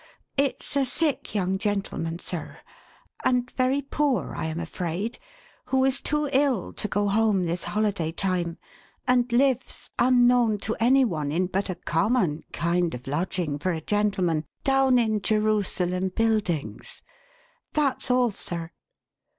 It's a sick young gentleman, sir — and very poor, I am afraid — who is too ill to go home this holiday time, and lives, unknown to any one, in but a common kind of lodging for a gentleman, down in Jerusalem Buildings. That's all, sir."